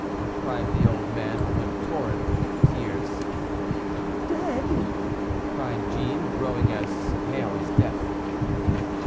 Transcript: cried the old man, with a torrent of tears. "Dead!" cried Jeanne, growing as pale as death.